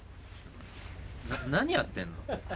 何やってんの？